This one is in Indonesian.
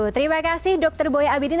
terima kasih dokter boy abidin